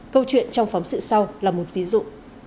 câu chuyện trong phóng sự sau là một ví dụ